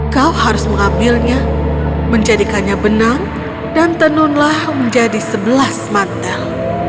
kau harus mengambilnya menjadikannya benang dan tenunlah menjadi sebelas mantel